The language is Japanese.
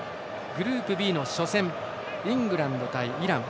グループＢの初戦イングランド対イラン。